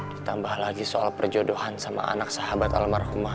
ditambah lagi soal perjodohan sama anak sahabat almarhum mahmah